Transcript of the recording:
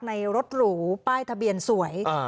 ในรถหรูป้ายทะเบียนสวย